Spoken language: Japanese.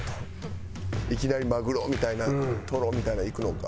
いきなりマグロみたいなんトロみたいなんいくのか。